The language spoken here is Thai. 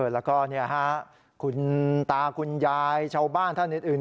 แล้วก็คุณตาคุณยายชาวบ้านท่านอื่น